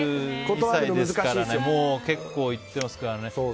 ７２歳ですからねもう結構いってますからね。